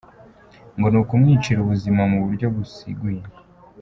Ngo ni ukumwicira ubuzima mu buryo buziguye.